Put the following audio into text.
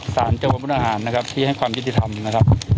สารจังหวัดมุทหารนะครับที่ให้ความยุติธรรมนะครับ